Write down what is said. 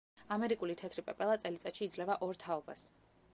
ამერიკული თეთრი პეპელა წელიწადში იძლევა ორ თაობას.